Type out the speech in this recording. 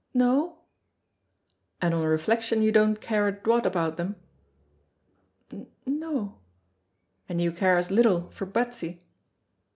"No." "And on reflection you don't care a doit about them?" "N no." "And you care as little for Betsy?"